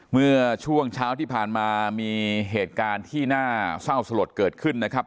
เมื่อช่วงเช้าที่ผ่านมามีเหตุการณ์ที่น่าเศร้าสลดเกิดขึ้นนะครับ